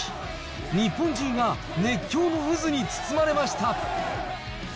日本中が熱狂の渦に包まれました。